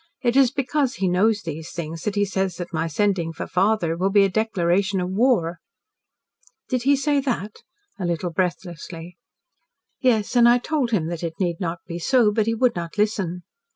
It is because he knows these things that he says that my sending for father will be a declaration of war." "Did he say that?" a little breathlessly. "Yes, and I told him that it need not be so. But he would not listen."